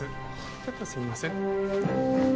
ちょっとすいません。